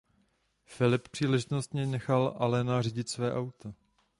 Philip příležitostně nechal Allena řídit své auto.